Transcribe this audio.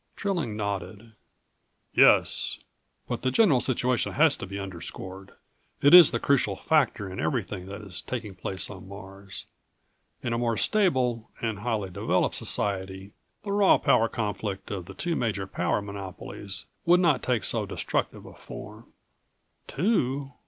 Trilling nodded. "Yes but the general situation has to be underscored. It is the crucial factor in everything that is taking place on Mars. In a more stable, and highly developed society the raw power conflict of the two major power monopolies would not take so destructive a form." "Two?"